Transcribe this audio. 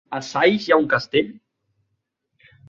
A Saix hi ha un castell?